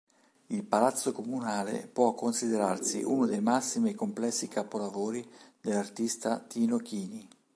Il palazzo comunale può considerarsi uno dei massimi e complessi capolavori dell’artista Tito Chini.